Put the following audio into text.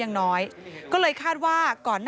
มันมีโอกาสเกิดอุบัติเหตุได้นะครับ